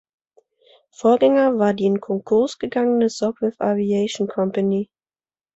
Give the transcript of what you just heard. Vorgänger war die in Konkurs gegangene Sopwith Aviation Company.